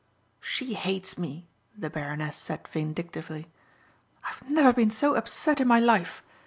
"She hates me," the Baroness said vindictively. "I've never been so upset in my life.